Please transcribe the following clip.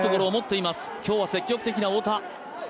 今日は積極的な太田。